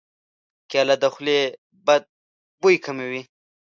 کېله د خولې بد بوی کموي.